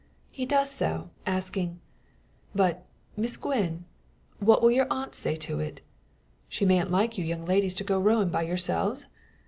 He does so, asking: "But, Miss Gwen; what will your aunt say to it? She mayent like you young ladies to go rowin' by yourselves?